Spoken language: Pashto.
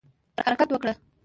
حرکت وکړه